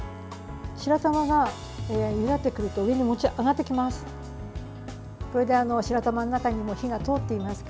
白玉がゆだってくると上に上がってきます。